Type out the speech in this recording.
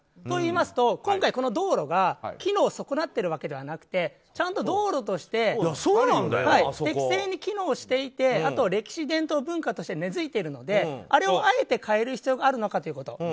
といいますと、今回この道路が機能を損なっているわけではなくてちゃんと道路として適正に機能していてあと、歴史、伝統、文化として根付いているのであれをあえて変える必要があるのかということ。